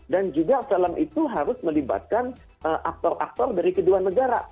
dan juga salam itu harus melibatkan aktor aktor dari kedua negara